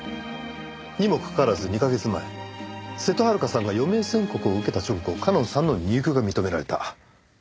にもかかわらず２カ月前瀬戸はるかさんが余命宣告を受けた直後夏音さんの入居が認められた。